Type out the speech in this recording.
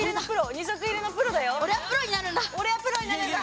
おれはプロになるんだ！